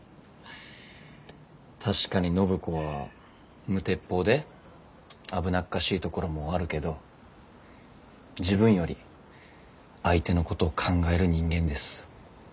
確かに暢子は無鉄砲で危なっかしいところもあるけど自分より相手のことを考える人間です。